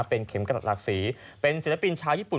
เป็นเป็นศิลปินชาวยีปุ่น